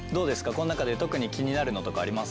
この中で特に気になるのとかあります？